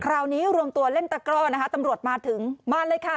รวมตัวเล่นตะกร่อนะคะตำรวจมาถึงมาเลยค่ะ